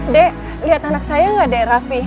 dek liat anak saya gak deh rafi